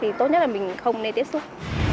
thì tốt nhất là mình không nên tiếp xúc